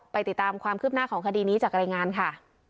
ติดตามความคืบหน้าของคดีนี้จากรายงานค่ะ